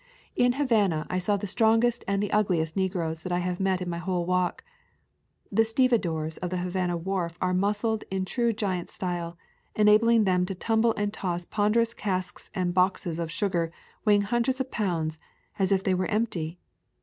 In Havana I saw the strongest and the ugliest negroes that I have met in my whole walk. The stevedores of the Havana wharf are muscled in true giant style, enabling them to tumble and toss ponderous casks and boxes of sugar weighing hundreds of pounds as if they were empty.